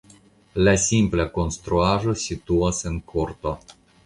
La simpla konstruaĵo situas en korto.